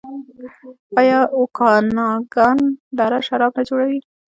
آیا اوکاناګن دره شراب نه جوړوي؟